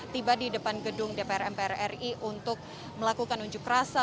tiba di depan gedung dpr mpr ri untuk melakukan unjuk rasa